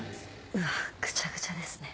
うわっぐちゃぐちゃですね。